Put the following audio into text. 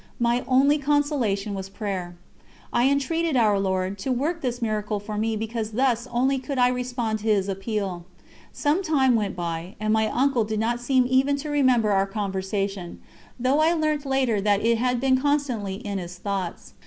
My only consolation was prayer. I entreated Our Lord to work this miracle for me because thus only could I respond to His appeal. Some time went by, and my uncle did not seem even to remember our conversation, though I learnt later that it had been constantly in his thoughts.